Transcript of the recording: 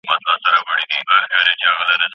تولیدي سیستم کرنیز و او ښځې له بازار څخه محرومې وې.